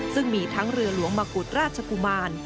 ซึ่งมีทั้งเรือหลวงมะกุฎราชกุมาร